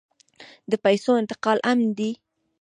د پیسو انتقال امن دی؟